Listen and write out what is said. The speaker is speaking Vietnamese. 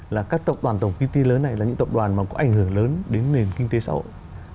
là các tập đoàn tổng kinh tế lớn này là những tập đoàn mà có ảnh hưởng lớn đến nền kinh tế xã hội